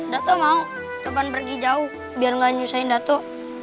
dato mau coban pergi jauh biar gak nyusahin dato